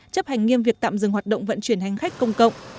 chấp hành nghiêm việc tạm dừng hoạt động vận chuyển hành khách công cộng